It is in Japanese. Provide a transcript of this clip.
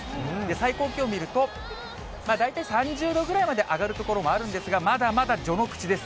最高気温見ると、大体３０度ぐらいまで上がる所もあるんですが、まだまだ序の口です。